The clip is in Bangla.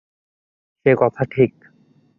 সে কথা ঠিক।